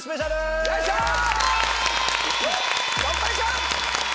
お願いします。